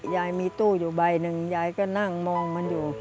ยายมีตู้อยู่ใบหนึ่งยายก็นั่งมองมันอยู่